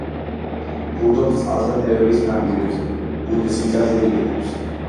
ბუდობს წყალსატევების ნაპირებზე, ბუდეს მიწაზე იკეთებს.